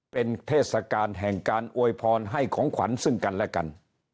เป็นเทศกาลแห่งการอวยพรให้ของขวัญซึ่งกันและกัน